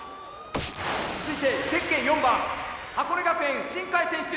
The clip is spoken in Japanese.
続いてゼッケン４番箱根学園新開選手！